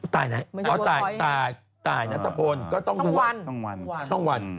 ตายไหนตายนัตรบนก็ต้องดูว่าช่องวัน